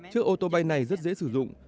chiếc ô tô bay này rất dễ sử dụng